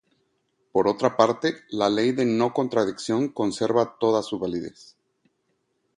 Por otra parte, la ley de no-contradicción conserva toda su validez.